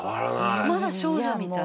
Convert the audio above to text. まだ少女みたい。